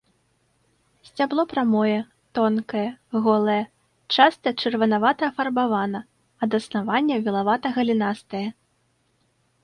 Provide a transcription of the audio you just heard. Сцябло прамое, тонкае, голае, часта чырванавата-афарбавана, ад аснавання вілавата-галінастае.